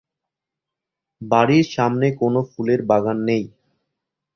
বাড়ির সামনে কোনো ফুলের বাগান নেই।